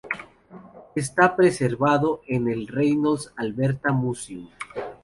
Está preservado en el Reynolds-Alberta Museum.